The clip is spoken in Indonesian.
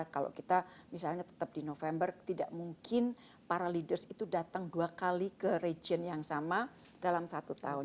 kalau kita misalnya tetap di november tidak mungkin para leaders itu datang dua kali ke region yang sama dalam satu tahun